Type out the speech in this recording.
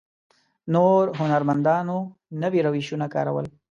نورو هنرمندانو نوي روشونه کارول.